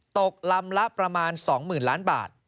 ตกลำละประมาณ๒๐๐๐ล้านบาท